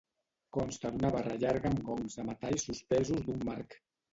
Consta d'una barra llarga amb gongs de metall suspesos d'un marc.